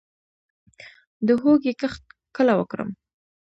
د هوږې کښت کله وکړم؟